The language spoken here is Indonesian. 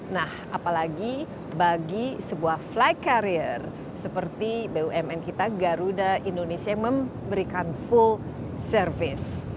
nah apalagi bagi sebuah flight carrier seperti bumn kita garuda indonesia memberikan full service